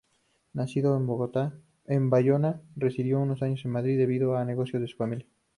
Nacido en Bayona, residió unos años en Madrid, debido a negocios de su familia.